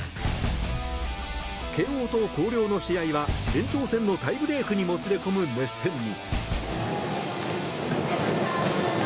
慶應と広陵の試合は延長戦のタイブレークにもつれ込む熱戦に。